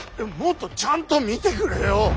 もっとちゃんと見てくれよ。